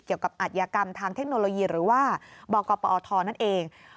อัธยากรรมทางเทคโนโลยีหรือว่าบกปอทนั่นเอง